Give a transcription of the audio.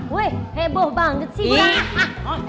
hei heboh banget sih